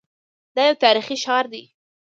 دا یو تاریخي ښار دی.